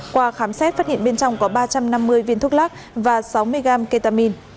qua khám xét phát hiện bên trong có ba trăm năm mươi viên thuốc lắc và sáu mươi gram ketamin